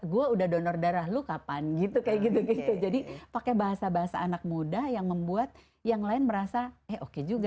gue sudah donor darah lu kapan jadi pakai bahasa bahasa anak muda yang membuat yang lain merasa oke juga